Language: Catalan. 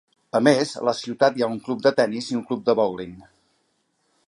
A més, a la ciutat hi ha un club de tennis i un club de bowling.